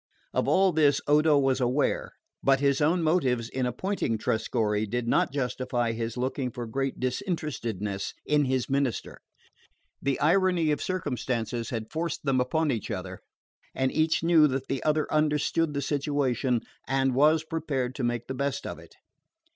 Of all this Odo was aware; but his own motives in appointing Trescorre did not justify his looking for great disinterestedness in his minister. The irony of circumstances had forced them upon each other, and each knew that the other understood the situation and was prepared to make the best of it.